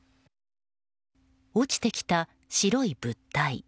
落ちてきた白い物体。